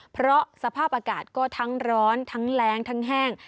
เพราะสภาพอากาศก็ทั้งร้อนทั้งแรงทั้งแห้ง